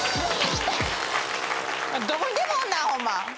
どこにでもおんなホンマ！